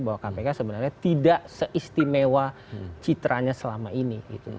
bahwa kpk sebenarnya tidak seistimewa citranya selama ini